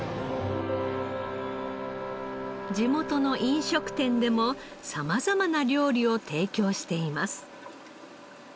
地元の飲食店でも様々な料理を提供しています。